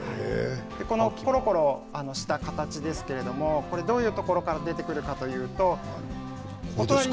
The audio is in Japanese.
コロコロした形なんですけれどもどういうところから出てくるかといいますと。